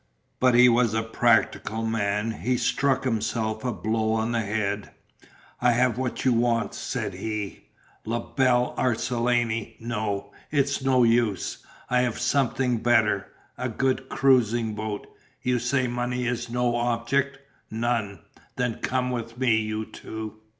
But he was a practical man. He struck himself a blow on the head. "I have what you want," said he, "La Belle Arlesienne, no, it is no use, I have something better, a good cruising boat you say money is no object." "None." "Then come with me, you two."